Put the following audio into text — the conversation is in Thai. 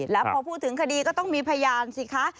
แล้วพอพูดถึงคดีก็ต้องมีพยานสิคะ